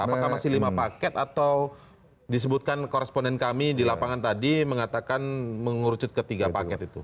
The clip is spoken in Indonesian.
apakah masih lima paket atau disebutkan koresponden kami di lapangan tadi mengatakan mengurucut ketiga paket itu